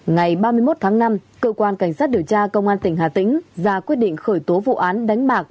ngày ba mươi một tháng năm cơ quan cảnh sát điều tra công an tỉnh hà tĩnh ra quyết định khởi tố vụ án đánh bạc